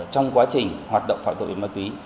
trong quá trình hoạt động phạm tội ma túy